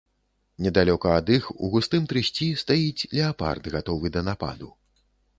Недалёка ад іх у густым трысці стаіць леапард, гатовы да нападу.